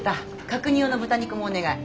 角煮用の豚肉もお願い。